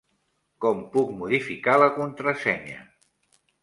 Com puc modificar la contrasenya?